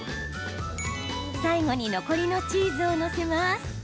最後に残りのチーズを載せます。